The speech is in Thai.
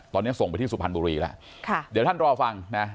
ตอนนี้ส่งไปที่สุพรรณบุรีแล้วค่ะเดี๋ยวท่านรอฟังนะ